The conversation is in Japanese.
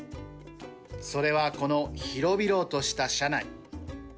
それはこの広々とした車内。